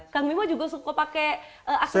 kang bima juga suka pakai aksesori kepala ya kang